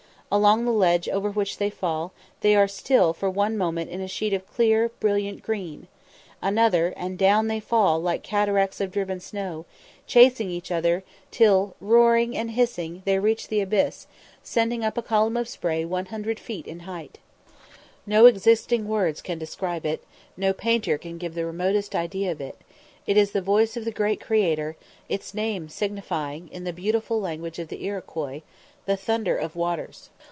Along the ledge over which they fall they are still for one moment in a sheet of clear, brilliant green; another, and down they fall like cataracts of driven snow, chasing each other, till, roaring and hissing, they reach the abyss, sending up a column of spray 100 feet in height. No existing words can describe it, no painter can give the remotest idea of it; it is the voice of the Great Creator, its name signifying, in the beautiful language of the Iroquois, "The Thunder of Waters."